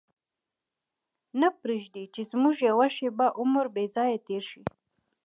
نه پرېږدي چې زموږ یوه شېبه عمر بې ځایه تېر شي.